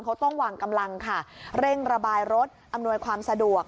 เขาต้องวางกำลังค่ะเร่งระบายรถอำนวยความสะดวก